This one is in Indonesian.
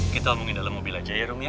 kita omongin dalam mobil aja ya room ya